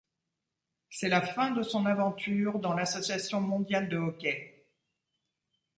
C'est la fin de son aventure dans l'Association mondiale de hockey.